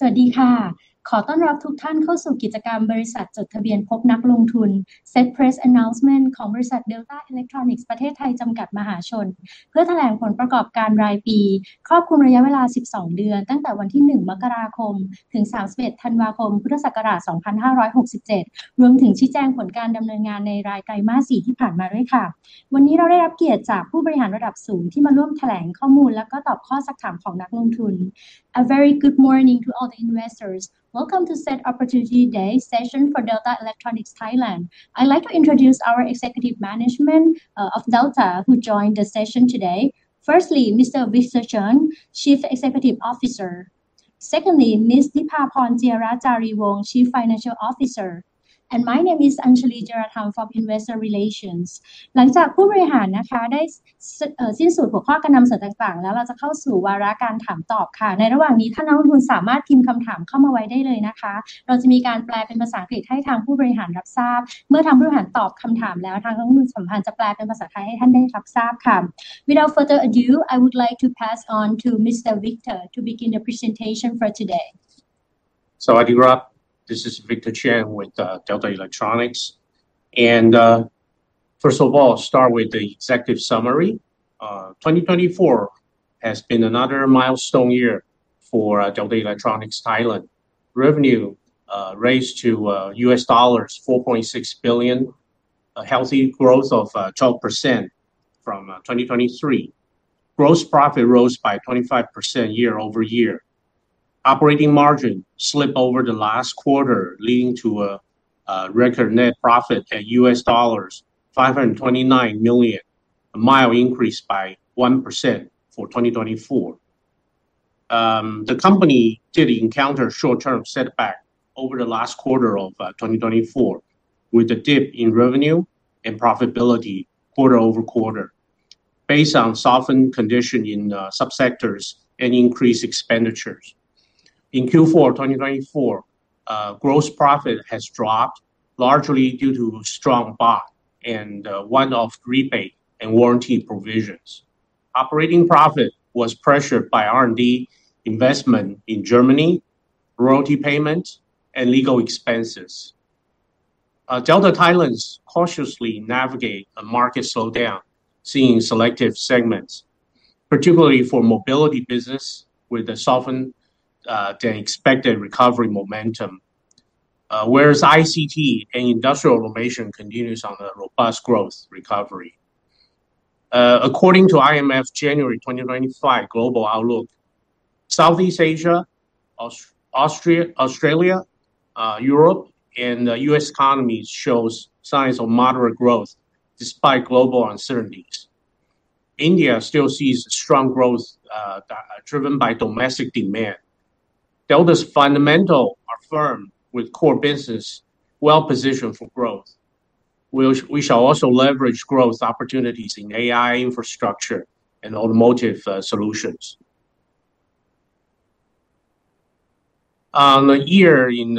สวัสดีค่ะขอต้อนรับทุกท่านเข้าสู่กิจกรรมบริษัทจดทะเบียนพบนักลงทุน SET Press Announcement ของบริษัท Delta Electronics ประเทศไทยจำกัดมหาชนเพื่อแถลงผลประกอบการรายปีครอบคลุมระยะเวลาสิบสองเดือนตั้งแต่วันที่ 1 มกราคมถึง 31 ธันวาคม พ. ศ. 2567 รวมถึงชี้แจงผลการดำเนินงานในรายไตรมาสสี่ที่ผ่านมาด้วยค่ะวันนี้เราได้รับเกียรติจากผู้บริหารระดับสูงที่มาร่วมแถลงข้อมูลและก็ตอบข้อซักถามของนักลงทุน A very good morning to all the investors. Welcome to SET Opportunity Day session for Delta Electronics Thailand. I'd like to introduce our executive management of Delta who joined the session today. Firstly, Mr. Victor Cheng, Chief Executive Officer. Secondly, Miss Nipaporn Jierajareevong, Chief Financial Officer. My name is Anchalee Jieratham from Investor Relations. หลังจากผู้บริหารได้สิ้นสุดหัวข้อการนำเสนอต่างๆแล้วเราจะเข้าสู่วาระการถามตอบค่ะในระหว่างนี้ถ้านักลงทุนสามารถพิมพ์คำถามเข้ามาไว้ได้เลยนะคะเราจะมีการแปลเป็นภาษาอังกฤษให้ทางผู้บริหารรับทราบเมื่อทางผู้บริหารตอบคำถามแล้วทางนักลงทุนสัมพันธ์จะแปลเป็นภาษาไทยให้ท่านได้รับทราบค่ะ Without further ado, I would like to pass on to Mr. Victor to begin the presentation for today. Sawasdee krub. This is Victor Cheng with Delta Electronics. First of all, start with the executive summary. 2024 has been another milestone year for Delta Electronics Thailand. Revenue raised to $4.6 billion, a healthy growth of 12% from 2023. Gross profit rose by 25% year-over-year. Operating margin slipped over the last quarter, leading to a record net profit at $529 million, a mild increase by 1% for 2024. The company did encounter short-term setback over the last quarter of 2024, with a dip in revenue and profitability quarter-over-quarter based on softened condition in subsectors and increased expenditures. In Q4 2024, gross profit has dropped largely due to strong baht and one-off rebate and warranty provisions. Operating profit was pressured by R&D investment in Germany, royalty payment and legal expenses. Delta Thailand cautiously navigate a market slowdown, seeing selective segments, particularly for mobility business with a softening the expected recovery momentum, whereas ICT and industrial automation continues on a robust growth recovery. According to IMF January 2025 Global Outlook, Southeast Asia, Australia, Europe and U.S. economies shows signs of moderate growth despite global uncertainties. India still sees strong growth, driven by domestic demand. Delta's fundamentals are firm with core business well positioned for growth. We shall also leverage growth opportunities in AI infrastructure and automotive solutions. On the year in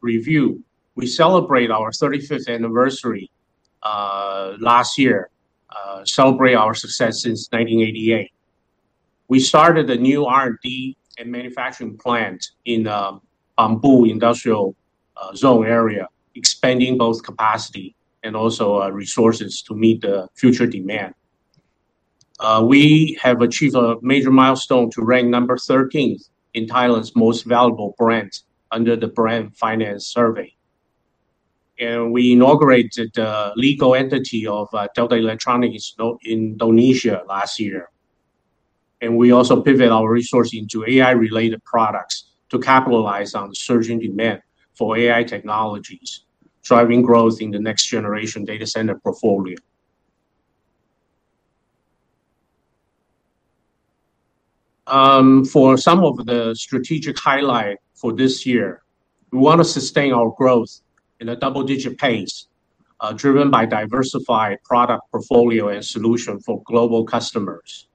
review, we celebrate our 35th anniversary last year, celebrate our success since 1988. We started a new R&D and manufacturing plant in Bangpoo Industrial Estate, expanding both capacity and also resources to meet the future demand. We have achieved a major milestone to rank 13th in Thailand's most valuable brands under the Brand Finance Survey. We inaugurated the legal entity of Delta Electronics in Indonesia last year. We also pivot our resource into AI related products to capitalize on the surging demand for AI technologies, driving growth in the next generation data center portfolio. For some of the strategic highlight for this year, we want to sustain our growth in a double digit pace, driven by diversified product portfolio and solution for global customers.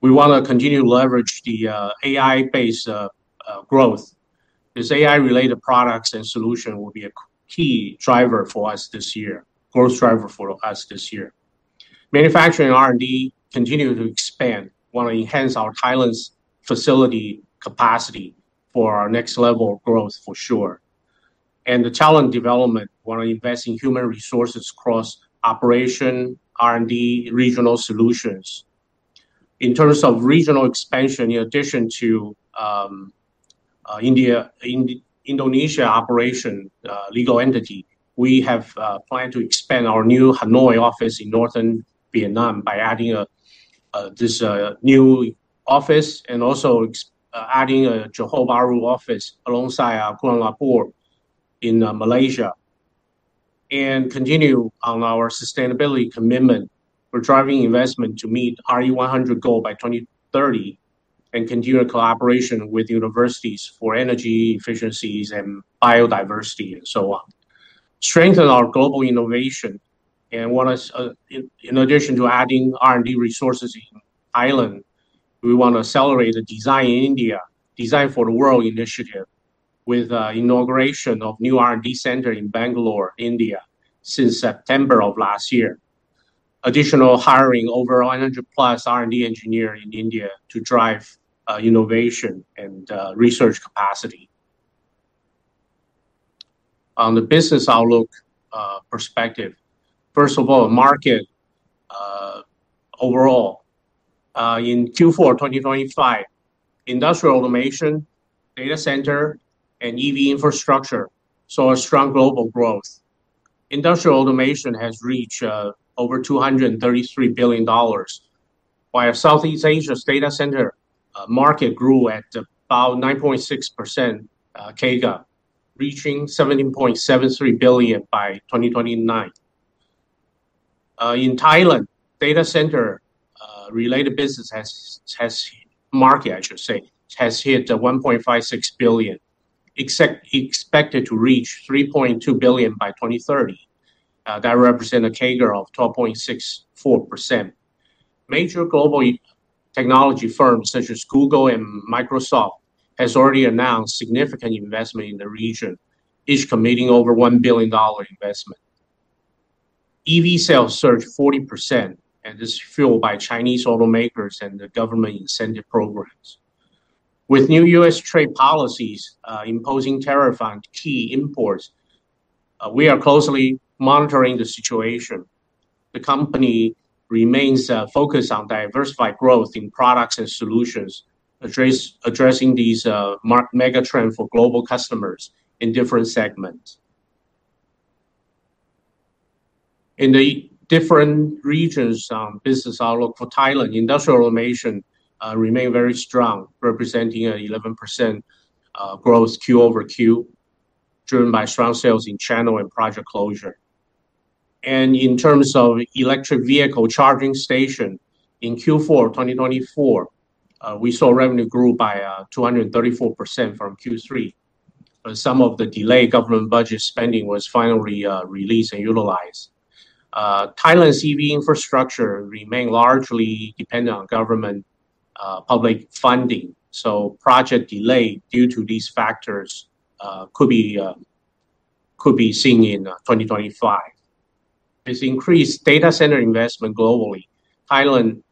We want to continue to leverage the AI based growth as AI related products and solution will be a key driver for us this year, growth driver for us this year. Manufacturing R&D continue to expand. Want to enhance our Thailand's facility capacity for our next level of growth for sure. The talent development, want to invest in human resources across operation, R&D, regional solutions. In terms of regional expansion, in addition to India-Indonesia operation legal entity, we have planned to expand our new Hanoi office in northern Vietnam by adding this new office and also adding a Johor Bahru office alongside Kuala Lumpur in Malaysia. Continue on our sustainability commitment. We're driving investment to meet RE100 goal by 2030 and continue collaboration with universities for energy efficiencies and biodiversity and so on. Strengthen our global innovation and we want, in addition to adding R&D resources in Thailand, to accelerate the Designed in India, Designed for the World initiative with inauguration of new R&D center in Bangalore, India, since September of last year. Additional hiring over 100+ R&D engineer in India to drive innovation and research capacity. On the business outlook perspective, first of all, market overall in Q4 2025, industrial automation, data center, and EV infrastructure saw a strong global growth. Industrial automation has reached over $233 billion, while Southeast Asia's data center market grew at about 9.6% CAGR, reaching $17.73 billion by 2029. In Thailand, data center related business market, I should say, has hit 1.56 billion, expected to reach 3.2 billion by 2030. That represent a CAGR of 12.64%. Major global technology firms such as Google and Microsoft has already announced significant investment in the region, each committing over $1 billion investment. EV sales surged 40% and is fueled by Chinese automakers and the government incentive programs. With new U.S. trade policies imposing tariffs on key imports, we are closely monitoring the situation. The company remains focused on diversified growth in products and solutions, addressing these mega trends for global customers in different segments. In the different regions, business outlook for Thailand, industrial automation, remain very strong, representing an 11% growth q-over-q, driven by strong sales in channel and project closure. In terms of electric vehicle charging station, in Q4 2024, we saw revenue grew by 234% from Q3. Some of the delayed government budget spending was finally released and utilized. Thailand's EV infrastructure remain largely dependent on government public funding. Project delay due to these factors could be seen in 2025. As increased data center investment globally, Thailand,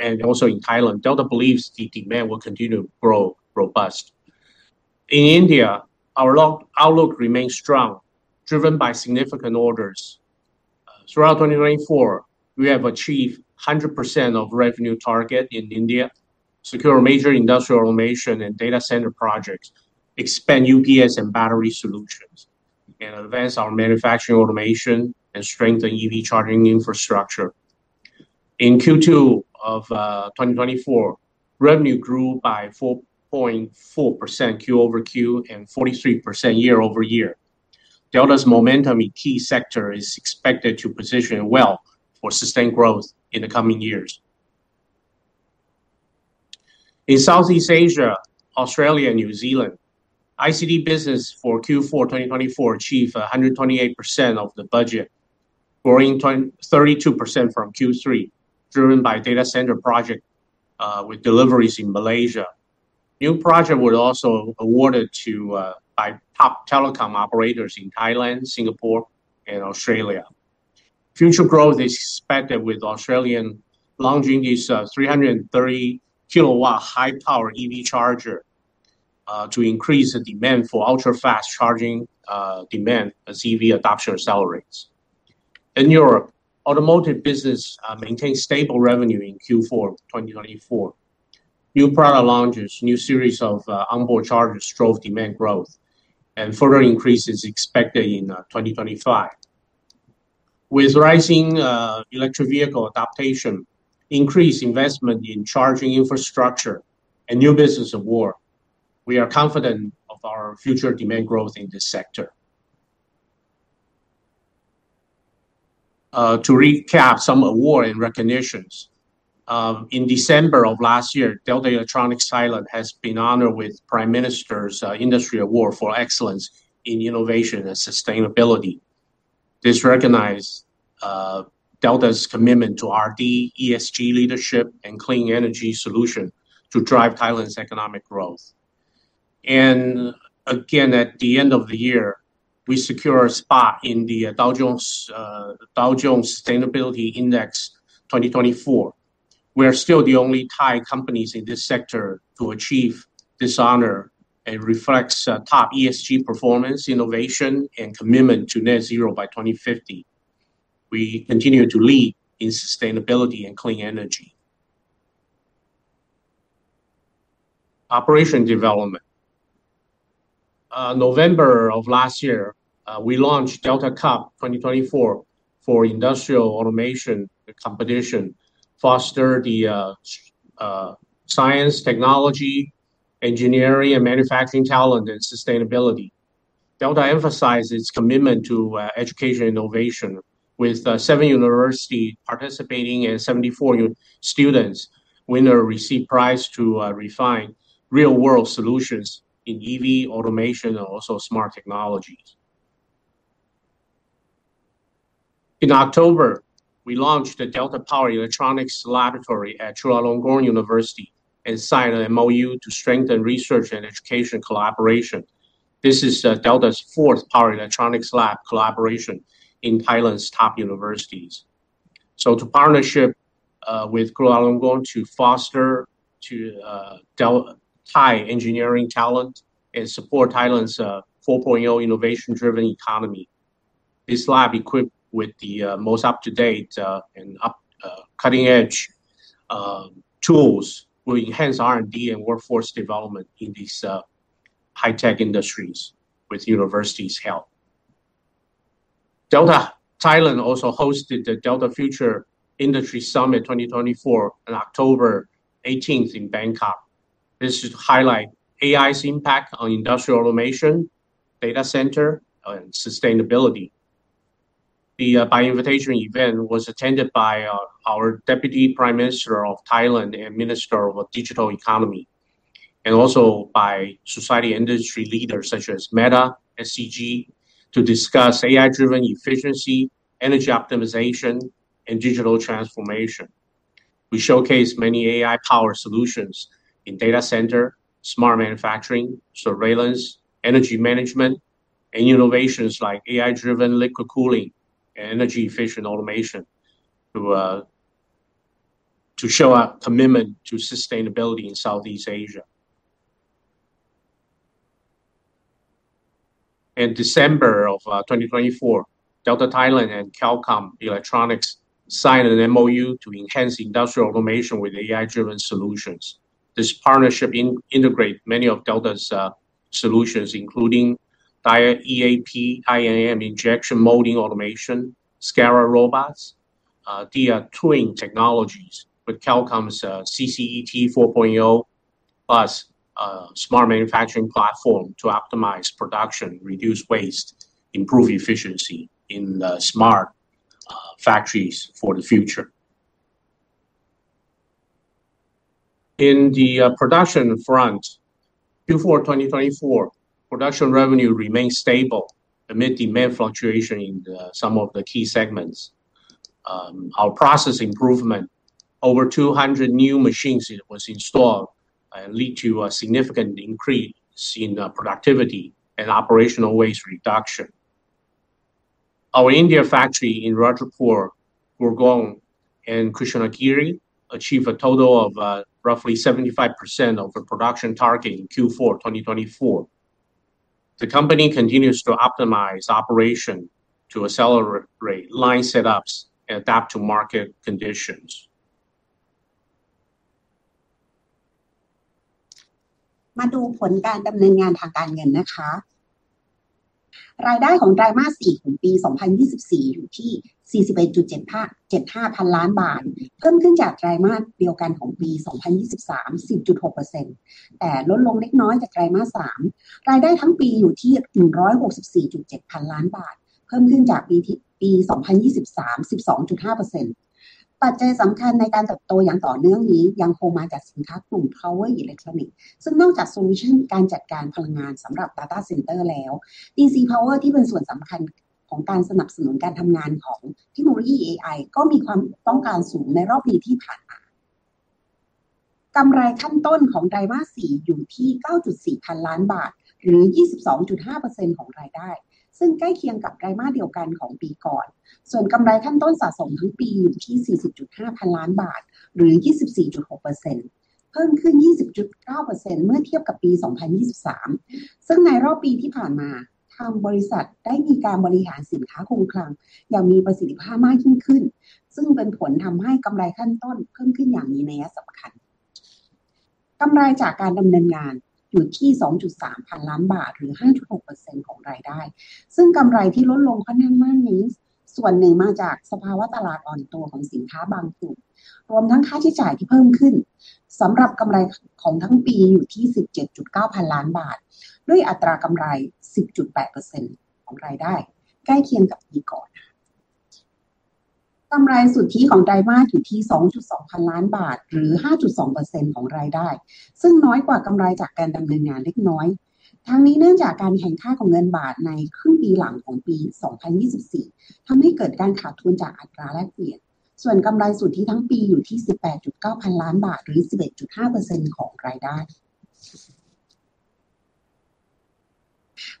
and also in Thailand, Delta believes the demand will continue to grow robust. In India, our outlook remains strong, driven by significant orders. Throughout 2024, we have achieved 100% of revenue target in India, secure major industrial automation and data center projects, expand UPS and battery solutions, and advance our manufacturing automation and strengthen EV charging infrastructure. In Q2 of 2024, revenue grew by 4.4% q-over-q and 43% year-over-year. Delta's momentum in key sector is expected to position well for sustained growth in the coming years. In Southeast Asia, Australia, and New Zealand, ICT business for Q4 2024 achieved 128% of the budget, growing 32% from Q3, driven by data center project with deliveries in Malaysia. New project was also awarded by top telecom operators in Thailand, Singapore, and Australia. Future growth is expected with Australia launching its 330 kW high-power EV charger to increase the demand for ultra-fast charging demand as EV adoption accelerates. In Europe, automotive business maintained stable revenue in Q4 2024. New product launches, new series of onboard chargers drove demand growth and further increase is expected in 2025. With rising electric vehicle adoption, increased investment in charging infrastructure, and new business award, we are confident of our future demand growth in this sector. To recap some awards and recognitions. In December of last year, Delta Electronics (Thailand) has been honored with Prime Minister's Industry Award for Excellence in Innovation and Sustainability. This recognizes Delta's commitment to R&D, ESG leadership, and clean energy solutions to drive Thailand's economic growth. Again, at the end of the year, we secure a spot in the Dow Jones Sustainability Index 2024. We are still the only Thai companies in this sector to achieve this honor. It reflects top ESG performance, innovation, and commitment to net zero by 2050. We continue to lead in sustainability and clean energy. Operation development. November of last year, we launched Delta Cup 2024 for industrial automation competition, foster the science, technology, engineering, and manufacturing talent and sustainability. Delta emphasized its commitment to education innovation with seven university participating and 74 university students. Winner receive prize to refine real-world solutions in EV automation and also smart technologies. In October, we launched the Delta Power Electronics Laboratory at Chulalongkorn University and signed an MOU to strengthen research and education collaboration. This is Delta's fourth power electronics lab collaboration in Thailand's top universities. Our partnership with Chulalongkorn University to foster Delta Thailand engineering talent and support Thailand's 4.0 innovation-driven economy. This lab equipped with the most up-to-date and cutting-edge tools will enhance R&D and workforce development in these high-tech industries with the university's help. Delta Thailand also hosted the Delta Future Industry Summit 2024 on October 18th in Bangkok. This highlights AI's impact on industrial automation, data centers and sustainability. The by-invitation event was attended by our Deputy Prime Minister of Thailand and Minister of Digital Economy and also by senior industry leaders such as Meta, SCG to discuss AI-driven efficiency, energy optimization and digital transformation. We showcase many AI power solutions in data center, smart manufacturing, surveillance, energy management, and innovations like AI-driven liquid cooling and energy-efficient automation to show our commitment to sustainability in Southeast Asia. In December of 2024 Delta Thailand and Cal-Comp Electronics signed an MOU to enhance industrial automation with AI-driven solutions. This partnership integrate many of Delta's solutions including DIAEAP, IA injection molding automation, SCARA robots, digital twin technologies with Cal-Comp's CCET 4.0+ smart manufacturing platform to optimize production, reduce waste, improve efficiency in smart factories for the future. In the production front Q4 2024 production revenue remained stable amid demand fluctuation in some of the key segments. Our process improvement over 200 new machines was installed lead to a significant increase in productivity and operational waste reduction. Our India factories in Rudrapur, Gurgaon and Krishnagiri achieve a total of roughly 75% of the production target in Q4 2024. The company continues to optimize operation to accelerate line setups and adapt to market conditions. มาดูผลการดำเนินงานทางการเงินนะคะรายได้ของไตรมาสสี่ของปี 2024 อยู่ที่ 41,757.5 พันล้านบาทเพิ่มขึ้นจากไตรมาสเดียวกันของปี 2023 10.6% แต่ลดลงเล็กน้อยจากไตรมาสสามรายได้ทั้งปีอยู่ที่ 164.7 พันล้านบาทเพิ่มขึ้นจากปี 2023 12.5% ปัจจัยสำคัญในการเติบโตอย่างต่อเนื่องนี้ยังคงมาจากสินค้ากลุ่ม Power Electronics ซึ่งนอกจาก Solution การจัดการพลังงานสำหรับ Data Center แล้ว DC Power ที่เป็นส่วนสำคัญของการสนับสนุนการทำงานของเทคโนโลยี AI ก็มีความต้องการสูงในรอบปีที่ผ่านมากำไรขั้นต้นของไตรมาสสี่อยู่ที่ 9.4 พันล้านบาทหรือ 22.5% ของรายได้ซึ่งใกล้เคียงกับไตรมาสเดียวกันของปีก่อนส่วนกำไรขั้นต้นสะสมทั้งปีอยู่ที่ 40.5 พันล้านบาทหรือ 24.6% เพิ่มขึ้น 20.9% เมื่อเทียบกับปี 2023 ซึ่งในรอบปีที่ผ่านมาทางบริษัทได้มีการบริหารสินค้าคงคลังอย่างมีประสิทธิภาพมากยิ่งขึ้นซึ่งเป็นผลทำให้กำไรขั้นต้นเพิ่มขึ้นอย่างมีนัยสำคัญกำไรจากการดำเนินงานอยู่ที่ 2.3 พันล้านบาทหรือ 5.6% ของรายได้ซึ่งกำไรที่ลดลงค่อนข้างมากนี้ส่วนหนึ่งมาจากสภาวะตลาดอ่อนตัวของสินค้าบางกลุ่มรวมทั้งค่าใช้จ่ายที่เพิ่มขึ้นสำหรับกำไรของทั้งปีอยู่ที่ 17.9 พันล้านบาทด้วยอัตรากำไร 10.8% ของรายได้ใกล้เคียงกับปีก่อนค่ะกำไรสุทธิของไตรมาสอยู่ที่ 2.2 พันล้านบาทหรือ 5.2% ของรายได้ซึ่งน้อยกว่ากำไรจากการดำเนินงานเล็กน้อย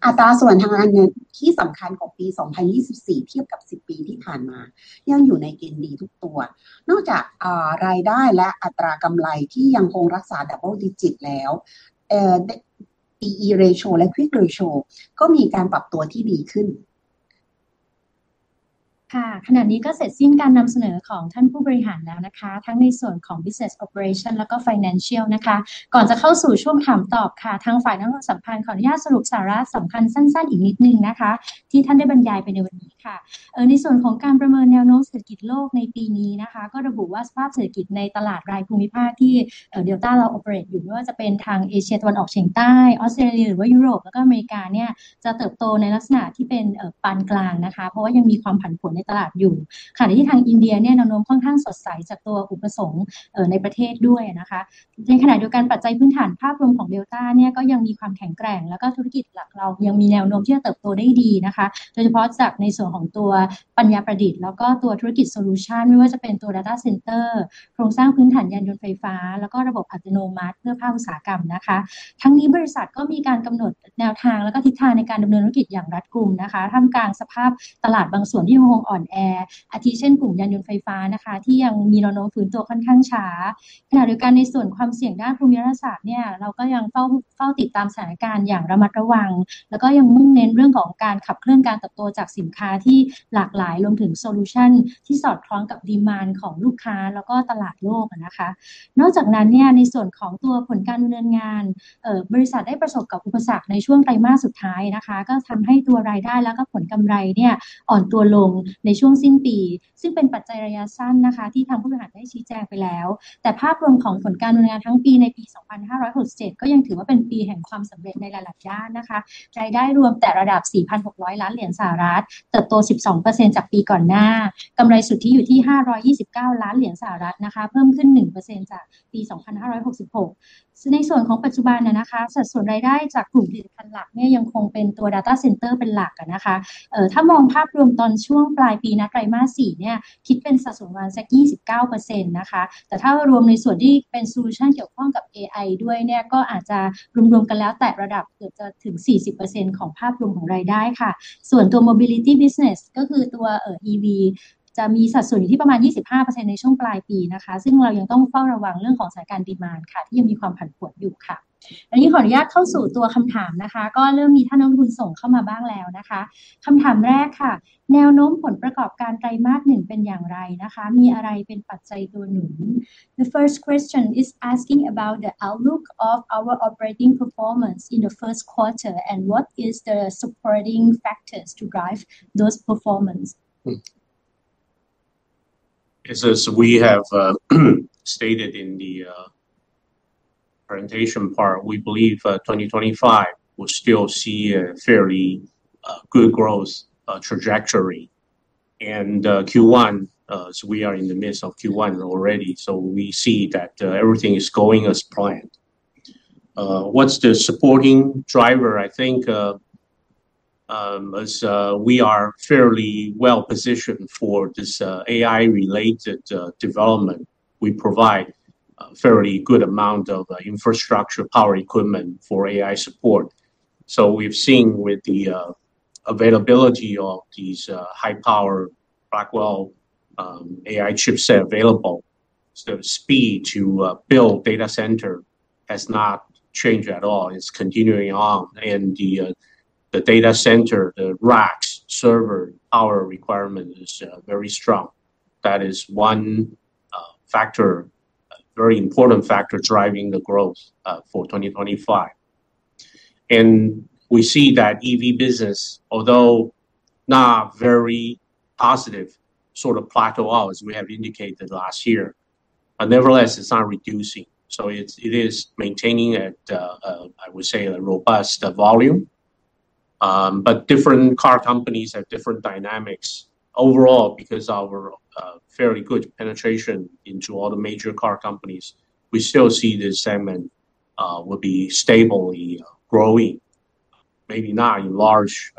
2024 ทำให้เกิดการขาดทุนจากอัตราแลกเปลี่ยนส่วนกำไรสุทธิทั้งปีอยู่ที่ 18.9 พันล้านบาทหรือ 11.5% ของรายได้อัตราส่วนทางการเงินที่สำคัญของปี 2024 เทียบกับสิบปีที่ผ่านมายังอยู่ในเกณฑ์ดีทุกตัวนอกจากรายได้และอัตรากำไรที่ยังคงรักษา Double Digit แล้ว D/E Ratio และ Quick Ratio ก็มีการปรับตัวที่ดีขึ้นขณะนี้ก็เสร็จสิ้นการนำเสนอของท่านผู้บริหารแล้วนะคะทั้งในส่วนของ Business Operation แล้วก็ Financial นะคะก่อนจะเข้าสู่ช่วงถามตอบคะทางฝ่ายนักลงทุนสัมพันธ์ขออนุญาตสรุปสาระสำคัญสั้นๆอีกนิดนึงนะคะที่ท่านได้บรรยายไปในวันนี้คะในส่วนของการประเมินแนวโน้มเศรษฐกิจโลกในปีนี้นะคะก็ระบุว่าสภาพเศรษฐกิจในตลาดรายภูมิภาคที่ Delta เรา Operate อยู่ไม่ว่าจะเป็นทางเอเชียตะวันออกเฉียงใต้ออสเตรเลียหรือว่ายุโรปแล้วก็อเมริกาเนี่ยจะเติบโตในลักษณะที่เป็นปานกลางนะคะเพราะว่ายังมีความผันผวนในตลาดอยู่ขณะที่ทางอินเดียเนี่ยแนวโน้มค่อนข้างสดใสจากตัวอุปสงค์ในประเทศด้วยนะคะในขณะเดียวกันปัจจัยพื้นฐานภาพรวมของ Delta เนี่ยก็ยังมีความแข็งแกร่งแล้วก็ธุรกิจหลักเรายังมีแนวโน้มที่จะเติบโตได้ดีนะคะโดยเฉพาะจากในส่วนของตัวปัญญาประดิษฐ์แล้วก็ตัวธุรกิจ Solution ไม่ว่าจะเป็นตัว Data Center โครงสร้างพื้นฐานยานยนต์ไฟฟ้าแล้วก็ระบบอัตโนมัติเพื่อภาคอุตสาหกรรมนะคะทั้งนี้บริษัทก็มีการกำหนดแนวทางแล้วก็ทิศทางในการดำเนินธุรกิจอย่างรัดกุมนะคะท่ามกลางสภาพตลาดบางส่วนที่ยังคงอ่อนแออาทิเช่นกลุ่มยานยนต์ไฟฟ้านะคะที่ยังมีแนวโน้มฟื้นตัวค่อนข้างช้าขณะเดียวกันในส่วนความเสี่ยงด้านภูมิรัฐศาสตร์เนี่ยเราก็ยังเฝ้าติดตามสถานการณ์อย่างระมัดระวังแล้วก็ยังมุ่งเน้นเรื่องของการขับเคลื่อนการเติบโตจากสินค้าที่หลากหลายรวมถึง Solution ที่สอดคล้องกับ Demand ของลูกค้าแล้วก็ตลาดโลกนะคะนอกจากนั้นเนี่ยในส่วนของตัวผลการดำเนินงานบริษัทได้ประสบกับอุปสรรคในช่วงไตรมาสสุดท้ายนะคะก็ทำให้ตัวรายได้แล้วก็ผลกำไรเนี่ยอ่อนตัวลงในช่วงสิ้นปีซึ่งเป็นปัจจัยระยะสั้นนะคะที่ทางผู้บริหารได้ชี้แจงไปแล้วแต่ภาพรวมของผลการดำเนินงานทั้งปีในปี 2567 ก็ยังถือว่าเป็นปีแห่งความสำเร็จในหลายๆด้านนะคะรายได้รวมอยู่ที่ระดับ USD 4,600 ล้านเติบโต 12% จากปีก่อนหน้ากำไรสุทธิอยู่ที่ USD 529 ล้านนะคะเพิ่มขึ้น 1% จากปี 2566 ในส่วนของปัจจุบันนะคะสัดส่วนรายได้จากกลุ่มผลิตภัณฑ์หลักเนี่ยยังคงเป็นตัว Data Center เป็นหลักนะคะถ้ามองภาพรวมตอนช่วงปลายปีณไตรมาสสี่เนี่ยคิดเป็นสัดส่วนประมาณ 29% นะคะแต่ถ้ารวมในส่วนที่เป็น Solution เกี่ยวข้องกับ AI ด้วยเนี่ยก็อาจจะรวมๆกันแล้วอยู่ที่ระดับเกือบจะถึง 40% ของภาพรวมของรายได้คะส่วนตัว Mobility Business ก็คือตัว EV จะมีสัดส่วนอยู่ที่ประมาณ 25% ในช่วงปลายปีนะคะซึ่งเรายังต้องเฝ้าระวังเรื่องของสถานการณ์ Demand คะที่ยังมีความผันผวนอยู่คะอันนี้ขออนุญาตเข้าสู่ตัวคำถามนะคะก็เรื่องนี้ท่านนักลงทุนส่งเข้ามาบ้างแล้วนะคะคำถามแรกคะแนวโน้มผลประกอบการไตรมาสหนึ่งเป็นอย่างไรนะคะมีอะไรเป็นปัจจัยตัวหนุน The first question is asking about the outlook of our operating performance in the first quarter and what is the supporting factors to drive those performance. As we have stated in the presentation part, we believe 2025 will still see a fairly good growth trajectory. Q1 as we are in the midst of Q1 already. We see that everything is going as planned. What's the supporting driver? I think as we are fairly well positioned for this AI related development. We provide a fairly good amount of infrastructure power equipment for AI support. We've seen with the availability of these high power Blackwell AI chipset available. Speed to build data center has not changed at all. It's continuing on. The data center, the racks, server, power requirement is very strong. That is one factor, very important factor driving the growth for 2025. We see that EV business, although not very positive sort of plateau out as we have indicated last year. Nevertheless, it's not reducing. It is maintaining at I would say a robust volume. Different car companies have different dynamics overall because our fairly good penetration into all the major car companies, we still see this segment will be stably growing, maybe not in large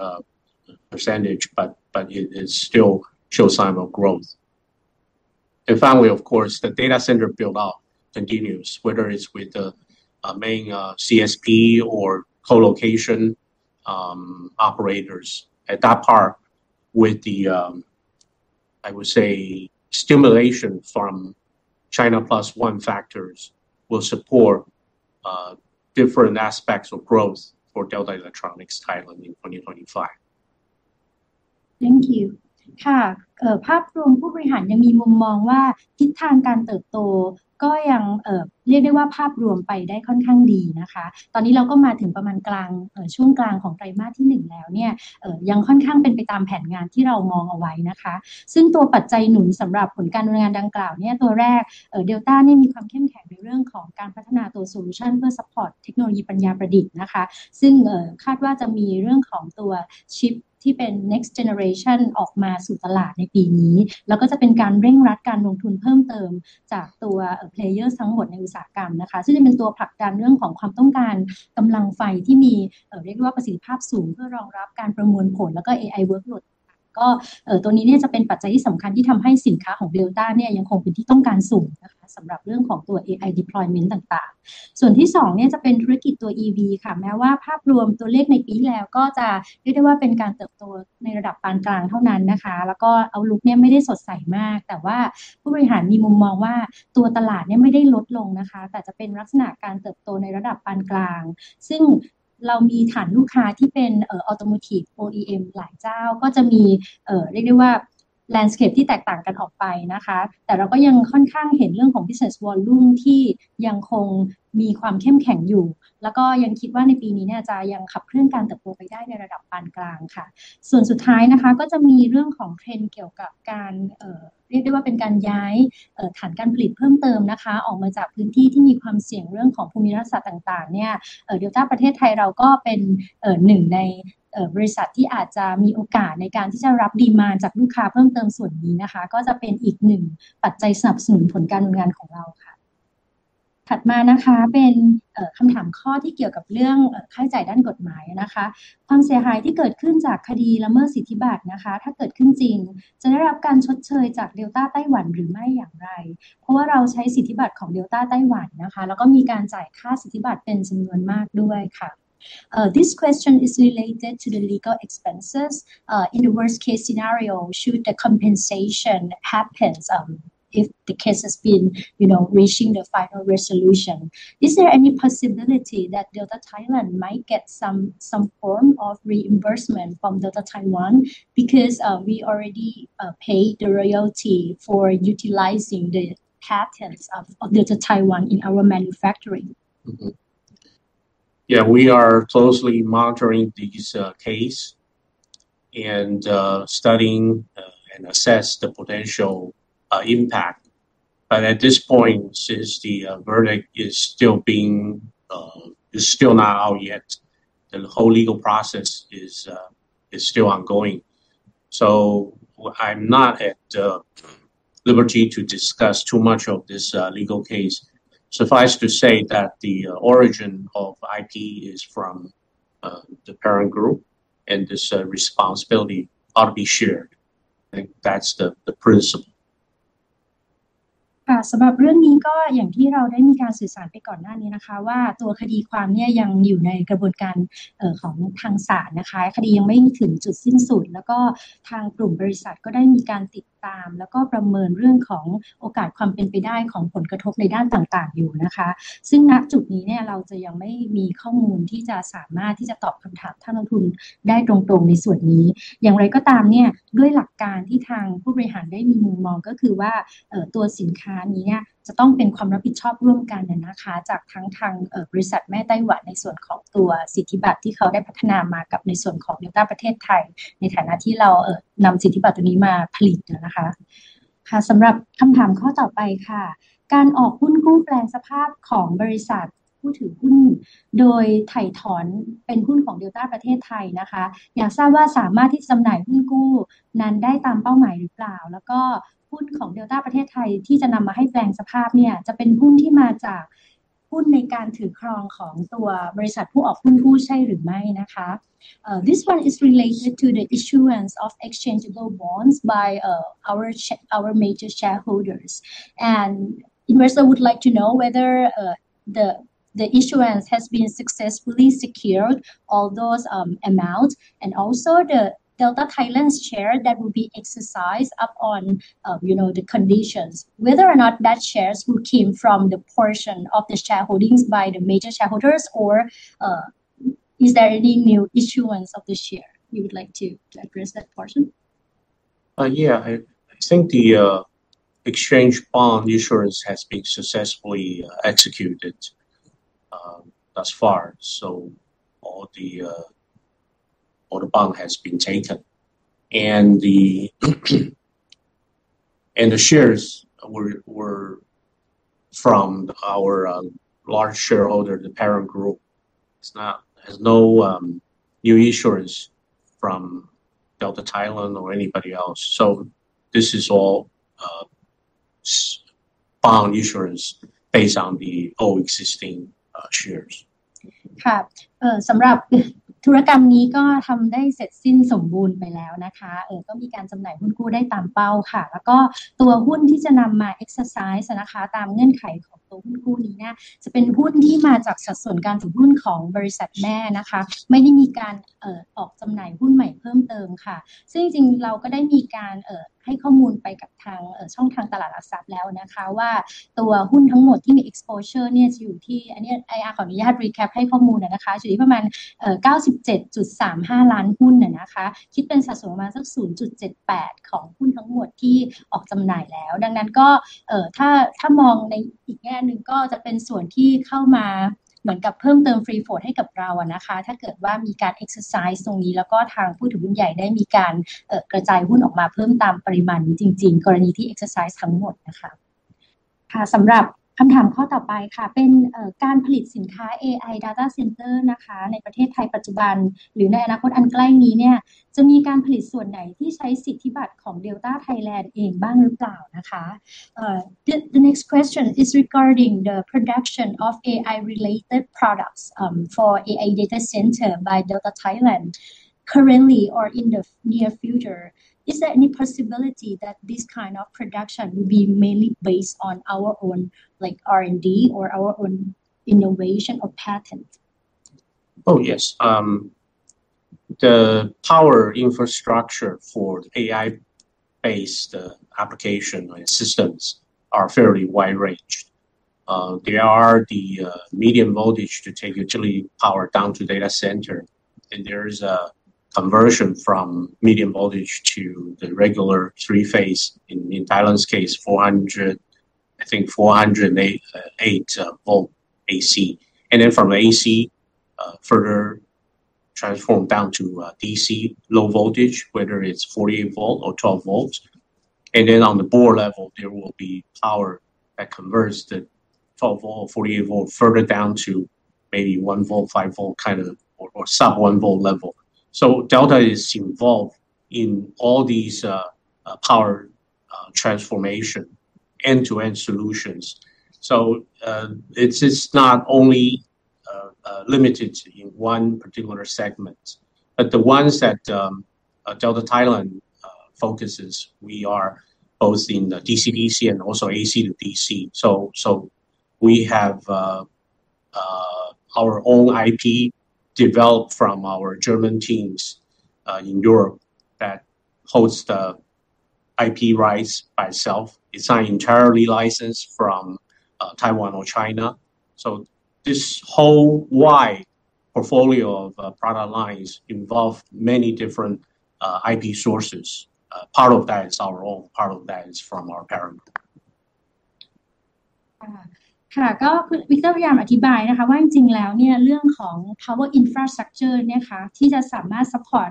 percentage, but it still shows sign of growth. Finally, of course, the data center build out continues, whether it's with the main CSP or colocation operators. That part with the I would say stimulus from China Plus One factors will support different aspects of growth for Delta Electronics (Thailand) in 2025. Thank you. ภาพรวมผู้บริหารยังมีมุมมองว่าทิศทางการเติบโตก็ยังเรียกได้ว่าภาพรวมไปได้ค่อนข้างดีนะคะตอนนี้เราก็มาถึงประมาณช่วงกลางของไตรมาสที่หนึ่งแล้วเนี่ยยังค่อนข้างเป็นไปตามแผนงานที่เรามองเอาไว้นะคะซึ่งตัวปัจจัยหนุนสำหรับผลการดำเนินงานดังกล่าวเนี่ยตัวแรก Delta เนี่ยมีความเข้มแข็งในเรื่องของการพัฒนาตัว Solution เพื่อ Support เทคโนโลยีปัญญาประดิษฐ์นะคะซึ่งคาดว่าจะมีเรื่องของตัวชิปที่เป็น Next Generation ออกมาสู่ตลาดในปีนี้แล้วก็จะเป็นการเร่งรัดการลงทุนเพิ่มเติมจากตัว Player ทั้งหมดในอุตสาหกรรมนะคะซึ่งจะเป็นตัวผลักดันเรื่องของความต้องการกำลังไฟที่มีประสิทธิภาพสูงเพื่อรองรับการประมวลผลแล้วก็ AI Workload Delta เนี่ยยังคงเป็นที่ต้องการสูงนะคะสำหรับเรื่องของตัว AI Deployment ต่างๆส่วนที่สองเนี่ยจะเป็นธุรกิจตัว EV ค่ะแม้ว่าภาพรวมตัวเลขในปีที่แล้วก็จะเรียกได้ว่าเป็นการเติบโตในระดับปานกลางเท่านั้นนะคะแล้วก็ Outlook เนี่ยไม่ได้สดใสมากแต่ว่าผู้บริหารมีมุมมองว่าตัวตลาดเนี่ยไม่ได้ลดลงนะคะแต่จะเป็นลักษณะการเติบโตในระดับปานกลางซึ่งเรามีฐานลูกค้าที่เป็น Automotive OEM หลายเจ้าก็จะมีเรียกได้ว่า Landscape ที่แตกต่างกันออกไปนะคะแต่เราก็ยังค่อนข้างเห็นเรื่องของ Business Volume ที่ยังคงมีความเข้มแข็งอยู่แล้วก็ยังคิดว่าในปีนี้เนี่ยจะยังขับเคลื่อนการเติบโตไปได้ในระดับปานกลางค่ะส่วนสุดท้ายนะคะก็จะมีเรื่องของ Trend เกี่ยวกับการเรียกได้ว่าเป็นการย้ายฐานการผลิตเพิ่มเติมนะคะออกมาจากพื้นที่ที่มีความเสี่ยงเรื่องของภูมิรัฐศาสตร์ต่างๆเนี่ย Delta ประเทศไทยเราก็เป็นหนึ่งในบริษัทที่อาจจะมีโอกาสในการที่จะรับ Demand จากลูกค้าเพิ่มเติมส่วนนี้นะคะก็จะเป็นอีกหนึ่งปัจจัยสนับสนุนผลการดำเนินงานของเราค่ะถัดมานะคะเป็นคำถามข้อที่เกี่ยวกับเรื่องค่าใช้จ่ายด้านกฎหมายนะคะความเสียหายที่เกิดขึ้นจากคดีละเมิดสิทธิบัตรนะคะถ้าเกิดขึ้นจริงจะได้รับการชดเชยจาก Delta ไต้หวันหรือไม่อย่างไรเพราะว่าเราใช้สิทธิบัตรของ Delta ไต้หวันนะคะแล้วก็มีการจ่ายค่าสิทธิบัตรเป็นจำนวนมากด้วยค่ะ This question is related to the legal expenses. In the worst case scenario, should the compensation happen. If the case has been, you know, reaching the final resolution, is there any possibility that Delta Thailand might get some form of reimbursement from Delta Taiwan because we already paid the royalty for utilizing the patents of Delta Taiwan in our manufacturing? We are closely monitoring this case and studying and assessing the potential impact. At this point, since the verdict is still not out yet, the whole legal process is still ongoing. I'm not at liberty to discuss too much of this legal case. Suffice to say that the origin of IP is from the parent group, and this responsibility ought to be shared. I think that's the principle. This one is related to the issuance of exchangeable bonds by our major shareholders. An investor would like to know whether the issuance has been successfully secured, all those amounts, and also the Delta Thailand's share that will be exercised upon, you know, the conditions. Whether or not that shares will came from the portion of the shareholdings by the major shareholders or is there any new issuance of the share? Would you like to address that portion? Yeah. I think the exchange bond issuance has been successfully executed thus far. All the bond has been taken. The shares were from our large shareholder, the parent group. There's no new issuance from Delta Thailand or anybody else. This is all bond issuance based on the old existing shares. The next question is regarding the production of AI-related products for AI data center by Delta Thailand. Currently or in the near future, is there any possibility that this kind of production will be mainly based on our own, like, R&D or our own innovation or patent? Oh, yes. The power infrastructure for the AI-based application and systems are fairly wide range. There are the medium voltage to take usually power down to data center, and there is a conversion from medium voltage to the regular three-phase. In Thailand's case, I think 408-volt AC. From AC, further transform down to DC low voltage, whether it's 48-volt or 12 volts. On the board level, there will be power that converts the 12-volt or 48-volt further down to maybe 1 volt, 5 volt kind of, or sub-1-volt level. Delta is involved in all these power transformation end-to-end solutions. It's not only limited to one particular segment. The ones that Delta Thailand focuses, we are both in the DC to DC and also AC to DC. We have our own IP developed from our German teams in Europe that holds the IP rights by itself. It's not entirely licensed from Taiwan or China. This worldwide portfolio of product lines involve many different IP sources. Part of that is our own, part of that is from our parent. คุณ Victor พยายามอธิบายนะคะว่าจริงๆแล้วเนี่ยเรื่องของ Power Infrastructure เนี่ยค่ะที่จะสามารถ support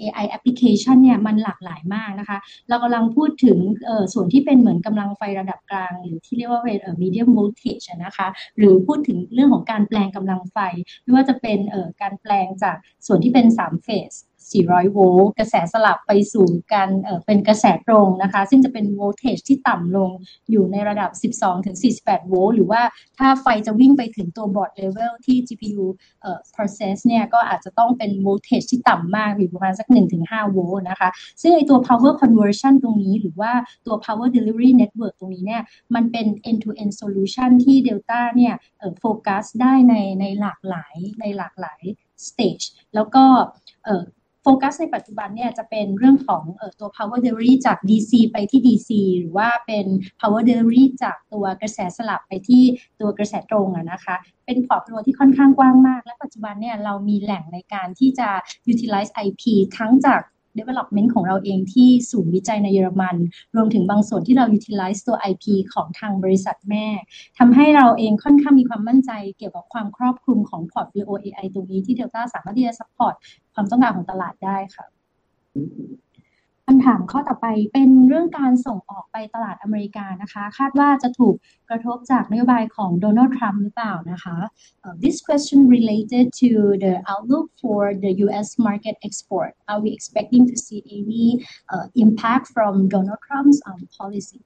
AI Application เนี่ยมันหลากหลายมากนะคะเรากำลังพูดถึงส่วนที่เป็นเหมือนกำลังไฟระดับกลางหรือที่เรียกว่าเป็น Medium Voltage อ่ะนะคะหรือพูดถึงเรื่องของการแปลงกำลังไฟไม่ว่าจะเป็นการแปลงจากส่วนที่เป็นสาม Phase สี่ร้อยโวลต์กระแสสลับไปสู่กระแสตรงนะคะซึ่งจะเป็น Voltage ที่ต่ำลงอยู่ในระดับสิบสองถึงสี่สิบแปดโวลต์หรือว่าถ้าไฟจะวิ่งไปถึงตัว Board Level ที่ GPU Process เนี่ยก็อาจจะต้องเป็น Voltage ที่ต่ำมากอยู่ประมาณสักหนึ่งถึงห้าโวลต์นะคะซึ่งไอ้ตัว Power Conversion ตรงนี้หรือว่าตัว Power Delivery Network ตรงนี้เนี่ยมันเป็น End-to-End Solution ที่ Delta เนี่ยโฟกัสได้ในหลากหลาย Stage แล้วก็โฟกัสในปัจจุบันเนี่ยจะเป็นเรื่องของตัว Power Delivery จาก DC ไปที่ DC หรือว่าเป็น Power Delivery จากตัวกระแสสลับไปที่ตัวกระแสตรงอ่ะนะคะเป็น portfolio ที่ค่อนข้างกว้างมากและปัจจุบันเนี่ยเรามีแหล่งในการที่จะ Utilize IP ทั้งจาก Development ของเราเองที่ศูนย์วิจัยในเยอรมันรวมถึงบางส่วนที่เรา Utilize ตัว IP ของทางบริษัทแม่ทำให้เราเองค่อนข้างมีความมั่นใจเกี่ยวกับความครอบคลุมของ Portfolio AI ตรงนี้ที่ Delta สามารถที่จะ support ความต้องการของตลาดได้ค่ะคำถามข้อต่อไปเป็นเรื่องการส่งออกไปตลาดอเมริกานะคะคาดว่าจะถูกกระทบจากนโยบายของ Donald Trump หรือเปล่านะคะ This question related to the outlook for the US market export. Are we expecting to see any impact from Donald Trump's policy?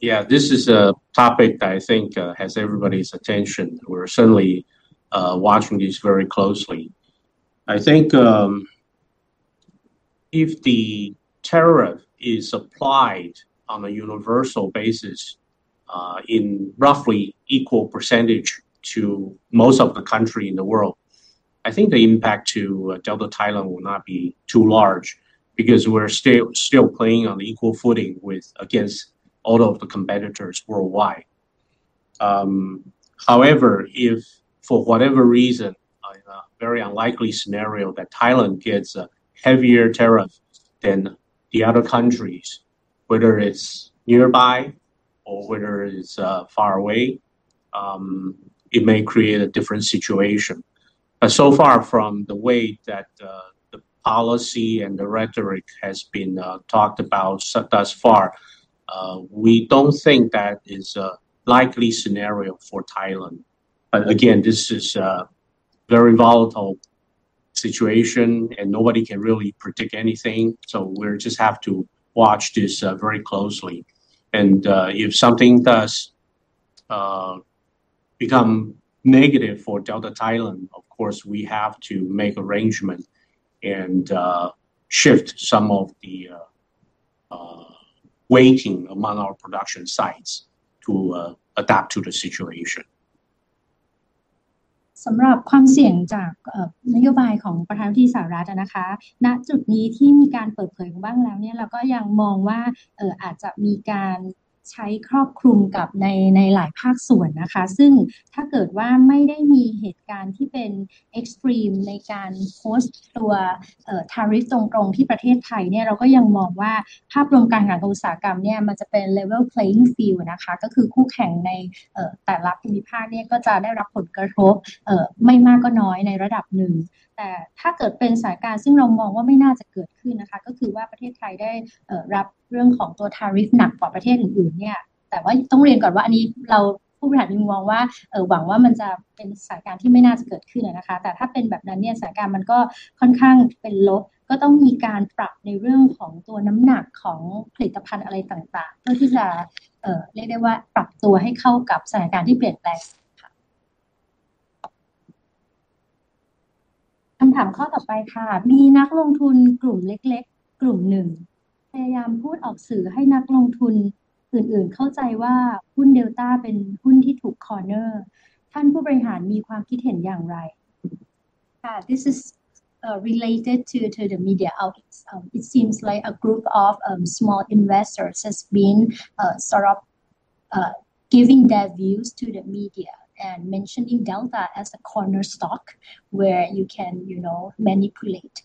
Yeah, this is a topic that I think has everybody's attention. We're certainly watching this very closely. I think if the tariff is applied on a universal basis in roughly equal percentage to most of the country in the world, I think the impact to Delta Thailand will not be too large because we're still playing on equal footing against all of the competitors worldwide. However, if for whatever reason, a very unlikely scenario that Thailand gets a heavier tariff than the other countries, whether it's nearby or whether it's far away, it may create a different situation. So far from the way that the policy and the rhetoric has been talked about so thus far, we don't think that is a likely scenario for Thailand. Again, this is a very volatile situation, and nobody can really predict anything. We'll just have to watch this very closely. If something does become negative for Delta Thailand, of course, we have to make arrangement and shift some of the weighting among our production sites to adapt to the situation. ณจุดนี้ที่มีการเปิดเผยบ้างแล้วเนี่ยเราก็ยังมองว่าอาจจะมีการใช้ครอบคลุมกับในหลายภาคส่วนนะคะซึ่งถ้าเกิดว่าไม่ได้มีเหตุการณ์ที่เป็น extreme ในการโพสต์ตัว Tariff ตรงๆที่ประเทศไทยเนี่ยเราก็ยังมองว่าภาพรวมการแข่งขันของอุตสาหกรรมเนี่ยมันจะเป็น Level Playing Field นะคะก็คือคู่แข่งในแต่ละภูมิภาคเนี่ยก็จะได้รับผลกระทบไม่มากก็น้อยในระดับหนึ่งแต่ถ้าเกิดเป็นสถานการณ์ซึ่งเรามองว่าไม่น่าจะเกิดขึ้นนะคะก็คือว่าประเทศไทยได้รับเรื่องของตัว Tariff หนักกว่าประเทศอื่นๆเนี่ยแต่ว่าต้องเรียนก่อนว่าอันนี้เราผู้บริหารเองมองว่าหวังว่ามันจะเป็นสถานการณ์ที่ไม่น่าจะเกิดขึ้นนะคะแต่ถ้าเป็นแบบนั้นเนี่ยสถานการณ์มันก็ค่อนข้างเป็นลบก็ต้องมีการปรับในเรื่องของตัวน้ำหนักของผลิตภัณฑ์อะไรต่างๆเพื่อที่จะเรียกได้ว่าปรับตัวให้เข้ากับสถานการณ์ที่เปลี่ยนแปลงค่ะคำถามข้อต่อไปค่ะมีนักลงทุนกลุ่มเล็กๆกลุ่มหนึ่งพยายามพูดออกสื่อให้นักลงทุนอื่นๆเข้าใจว่าหุ้น Delta เป็นหุ้นที่ถูก Corner ท่านผู้บริหารมีความคิดเห็นอย่างไรคะ This is related to the media outlets. It seems like a group of small investors has been sort of giving their views to the media and mentioning Delta as a corner stock where you can, you know, manipulate.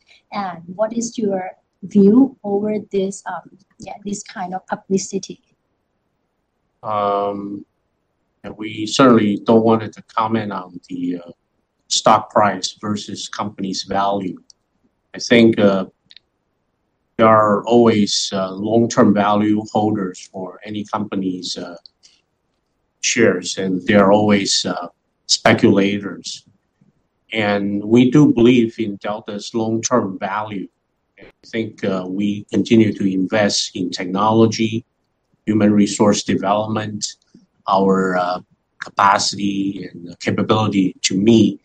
What is your view over this kind of publicity? We certainly don't want to comment on the stock price versus company's value. I think there are always long-term value holders for any company's shares, and there are always speculators. We do believe in Delta's long-term value. I think we continue to invest in technology, human resource development, our capacity and capability to meet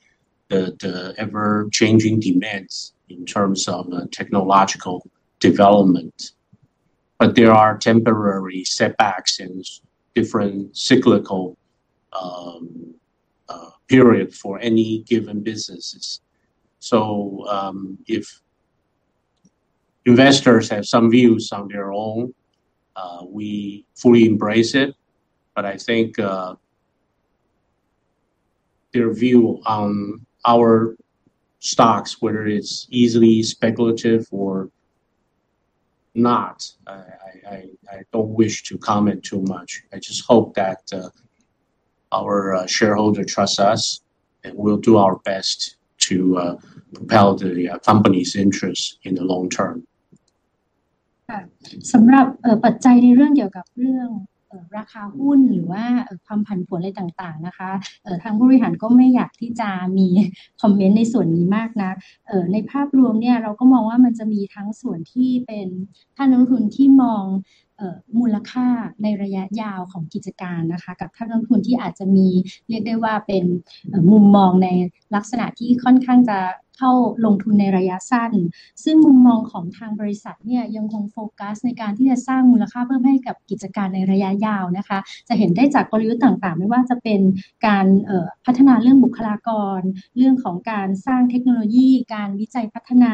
the ever-changing demands in terms of technological development. There are temporary setbacks and different cyclical period for any given businesses. If investors have some views on their own, we fully embrace it. I think their view on our stocks, whether it's easily speculative or not, I don't wish to comment too much. I just hope that our shareholder trusts us and we'll do our best to propel the company's interests in the long term. ค่ะสำหรับปัจจัยในเรื่องเกี่ยวกับราคาหุ้นหรือว่าความผันผวนอะไรต่างๆนะคะทางผู้บริหารก็ไม่อยากที่จะมี comment ในส่วนนี้มากนักในภาพรวมเนี่ยเราก็มองว่ามันจะมีทั้งส่วนที่เป็นท่านนักลงทุนที่มองมูลค่าในระยะยาวของกิจการนะคะกับท่านนักลงทุนที่อาจจะมีเรียกได้ว่าเป็นมุมมองในลักษณะที่ค่อนข้างจะเข้าลงทุนในระยะสั้นซึ่งมุมมองของทางบริษัทเนี่ยยังคงโฟกัสในการที่จะสร้างมูลค่าเพิ่มให้กับกิจการในระยะยาวนะคะจะเห็นได้จากกลยุทธ์ต่างๆไม่ว่าจะเป็นการพัฒนาเรื่องบุคลากรเรื่องของการสร้างเทคโนโลยีการวิจัยพัฒนา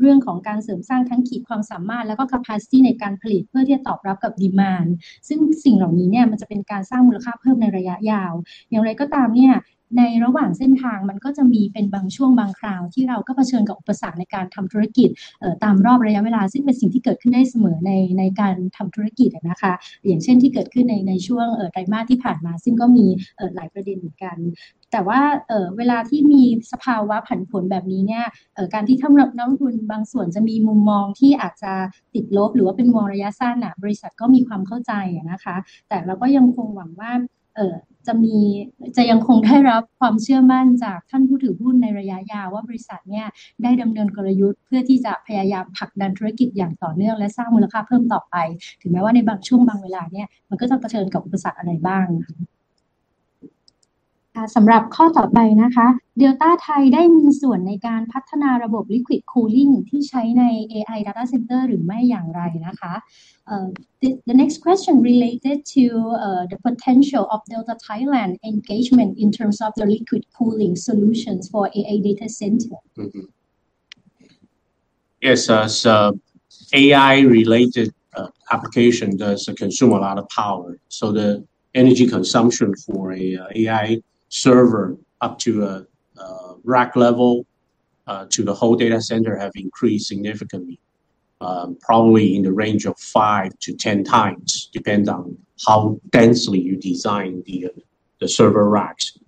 เรื่องของการเสริมสร้างทั้งขีดความสามารถแล้วก็ capacity ในการผลิตเพื่อที่จะตอบรับกับ demand ซึ่งสิ่งเหล่านี้เนี่ยมันจะเป็นการสร้างมูลค่าเพิ่มในระยะยาวอย่างไรก็ตามเนี่ยในระหว่างเส้นทางมันก็จะมีเป็นบางช่วงบางคราวที่เราก็เผชิญกับอุปสรรคในการทำธุรกิจตามรอบระยะเวลาซึ่งเป็นสิ่งที่เกิดขึ้นได้เสมอในการทำธุรกิจอ่ะนะคะอย่างเช่นที่เกิดขึ้นในช่วงไตรมาสที่ผ่านมาซึ่งก็มีหลายประเด็นเหมือนกันแต่ว่าเวลาที่มีสภาวะผันผวนแบบนี้เนี่ยการที่ท่านนักลงทุนบางส่วนจะมีมุมมองที่อาจจะติดลบหรือว่าเป็นมองระยะสั้นน่ะบริษัทก็มีความเข้าใจอ่ะนะคะแต่เราก็ยังคงหวังว่าจะยังคงได้รับความเชื่อมั่นจากท่านผู้ถือหุ้นในระยะยาวว่าบริษัทเนี่ยได้ดำเนินกลยุทธ์เพื่อที่จะพยายามผลักดันธุรกิจอย่างต่อเนื่องและสร้างมูลค่าเพิ่มต่อไปถึงแม้ว่าในบางช่วงบางเวลาเนี่ยมันก็จะเผชิญกับอุปสรรคอะไรบ้างค่ะค่ะสำหรับข้อต่อไปนะคะ Delta Thailand ได้มีส่วนในการพัฒนาระบบ Liquid Cooling ที่ใช้ใน AI Data Center หรือไม่อย่างไรนะคะ The next question related to the potential of Delta Thailand engagement in terms of the Liquid Cooling solutions for AI Data Center. Yes. As AI-related applications do consume a lot of power, the energy consumption for an AI server up to a rack level to the whole data center has increased significantly, probably in the range of 5x-10x, depending on how densely you design the server racks.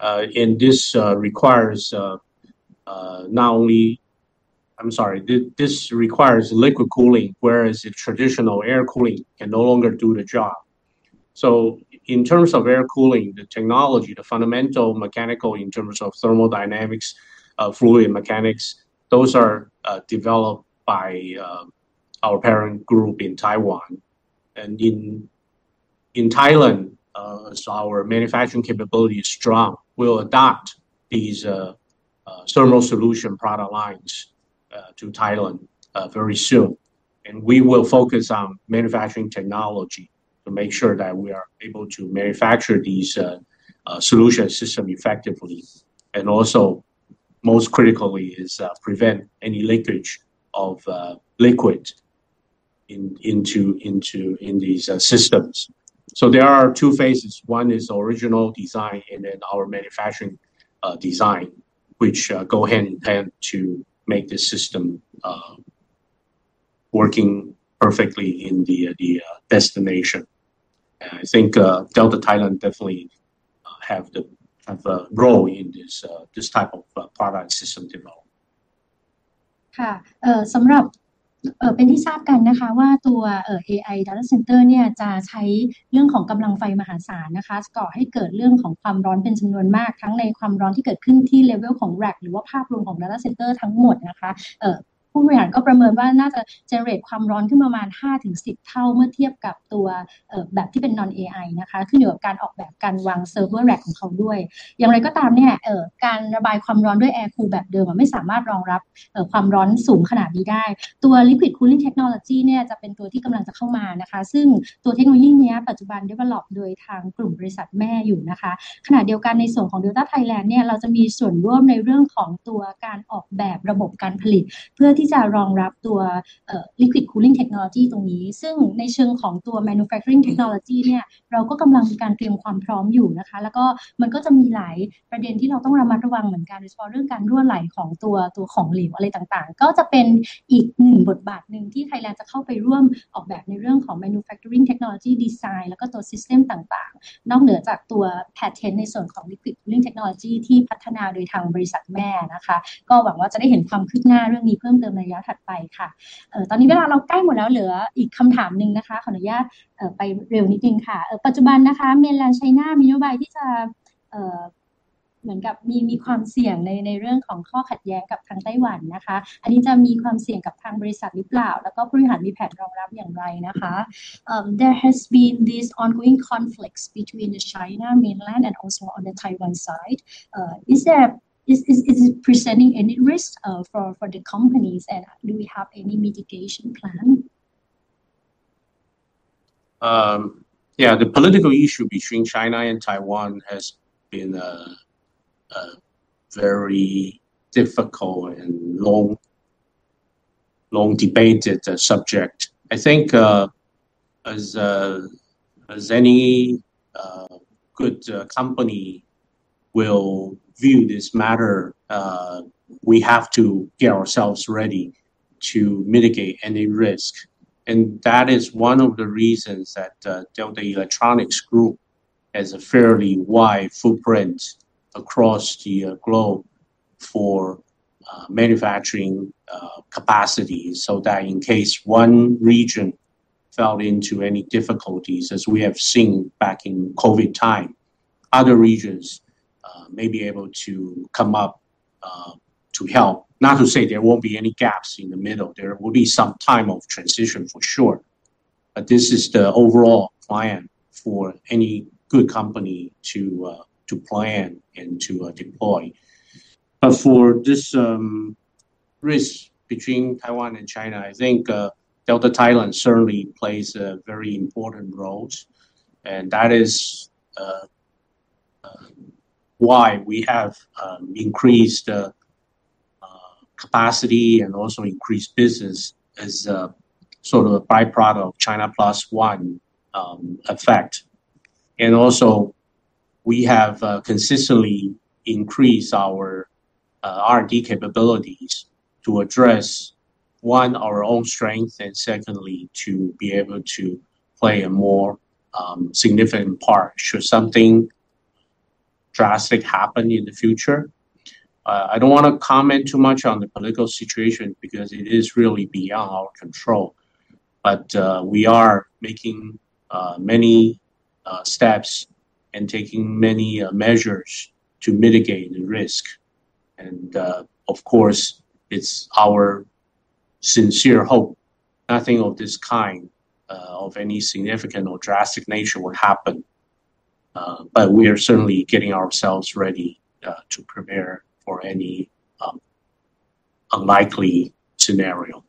This requires liquid cooling, whereas the traditional air cooling can no longer do the job. In terms of air cooling, the technology, the fundamental mechanics in terms of thermodynamics, fluid mechanics, those are developed by our parent group in Taiwan. In Thailand, our manufacturing capability is strong. We'll adopt these thermal solution product lines to Thailand very soon. We will focus on manufacturing technology to make sure that we are able to manufacture these solution system effectively. Also most critically is prevent any leakage of liquid in these systems. There are two phases. One is original design and then our manufacturing design, which go hand in hand to make the system working perfectly in the destination. I think Delta Thailand definitely have a role in this type of product system development. สำหรับ AI Data Center เนี่ยจะใช้เรื่องของกำลังไฟมหาศาลนะคะก่อให้เกิดเรื่องของความร้อนเป็นจำนวนมากทั้งในความร้อนที่เกิดขึ้นที่ level ของ rack หรือว่าภาพรวมของ Data Center ทั้งหมดนะคะผู้บริหารก็ประเมินว่าน่าจะ generate ความร้อนขึ้นประมาณห้าถึงสิบเท่าเมื่อเทียบกับแบบที่เป็น non-AI นะคะขึ้นอยู่กับการออกแบบการวาง server rack ของเขาด้วยอย่างไรก็ตามเนี่ยการระบายความร้อนด้วย air cool แบบเดิมอ่ะไม่สามารถรองรับความร้อนสูงขนาดนี้ได้ตัว Liquid Cooling Technology เนี่ยจะเป็นตัวที่กำลังจะเข้ามานะคะซึ่งตัวเทคโนโลยีเนี้ยปัจจุบัน develop โดยทางกลุ่มบริษัทแม่อยู่นะคะขณะเดียวกันในส่วนของ Delta Thailand เนี่ยเราจะมีส่วนร่วมในเรื่องของตัวการออกแบบระบบการผลิตเพื่อที่จะรองรับตัว Liquid Cooling Technology ตรงนี้ซึ่งในเชิงของตัว Manufacturing Technology เนี่ยเราก็กำลังมีการเตรียมความพร้อมอยู่นะคะแล้วก็มันก็จะมีหลายประเด็นที่เราต้องระมัดระวังเหมือนกันโดยเฉพาะเรื่องการรั่วไหลของตัวของเหลวอะไรต่างๆก็จะเป็นอีกหนึ่งบทบาทนึงที่ Thailand จะเข้าไปร่วมออกแบบในเรื่องของ Manufacturing Technology Design แล้วก็ตัว System ต่างๆนอกเหนือจากตัว Patent ในส่วนของ Liquid Cooling Technology ที่พัฒนาโดยทางบริษัทแม่นะคะก็หวังว่าจะได้เห็นความคืบหน้าเรื่องนี้เพิ่มเติมในระยะถัดไปค่ะตอนนี้เวลาเราใกล้หมดแล้วเหลืออีกคำถามนึงนะคะขออนุญาตไปเร็วนิดนึงค่ะปัจจุบันนะคะ Mainland China มีนโยบายที่จะมีความเสี่ยงในเรื่องของข้อขัดแย้งกับทางไต้หวันนะคะอันนี้จะมีความเสี่ยงกับทางบริษัทหรือเปล่าแล้วก็ผู้บริหารมีแผนรองรับอย่างไรนะคะ There has been this ongoing conflicts between the China Mainland and also on the Taiwan side. Is it presenting any risk for the companies? Do we have any mitigation plan? Yeah, the political issue between China and Taiwan has been a very difficult and long debated subject. I think, as any good company will view this matter, we have to get ourselves ready to mitigate any risk. That is one of the reasons that Delta Electronics Group has a fairly wide footprint across the globe for manufacturing capacity, so that in case one region fell into any difficulties, as we have seen back in COVID time, other regions may be able to come up to help. Not to say there won't be any gaps in the middle. There will be some time of transition for sure, this is the overall plan for any good company to plan and to deploy. For this risk between Taiwan and China, I think Delta Thailand certainly plays a very important role, and that is why we have increased capacity and also increased business as a sort of a byproduct of China Plus One effect. We have consistently increased our R&D capabilities to address one, our own strength, and secondly, to be able to play a more significant part should something drastic happen in the future. I don't wanna comment too much on the political situation because it is really beyond our control, but we are making many steps and taking many measures to mitigate the risk. Of course, it's our sincere hope nothing of this kind of any significant or drastic nature would happen. We are certainly getting ourselves ready to prepare for any unlikely scenario.